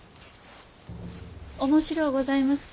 面白うございますか？